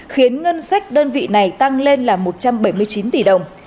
khiến ngân sách đơn vị này tăng lên là một trăm bảy mươi chín tỷ đồng